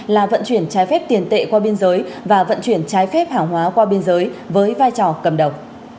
là vận chuyển trái phép tiền tệ qua biên giới và vận chuyển trái phép hàng hóa qua biên giới với vai trò cầm đầu